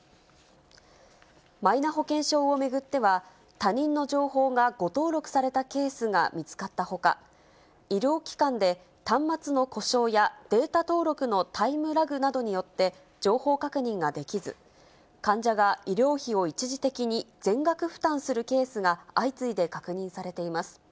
マイナ保険証を巡っては、他人の情報が誤登録されたケースが見つかったほか、医療機関で端末の故障やデータ登録のタイムラグなどによって情報確認ができず、患者が医療費を一時的に全額負担するケースが相次いで確認されています。